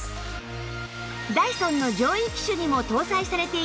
ダイソンの上位機種にも搭載されている